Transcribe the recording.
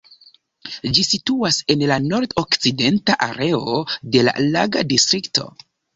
Ĝi situas en la nord-okcidenta areo de la Laga Distrikto.